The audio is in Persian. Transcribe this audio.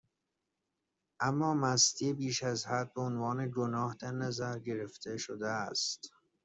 اما مستی بیشازحد، بهعنوان گناه در نظر گرفته شده است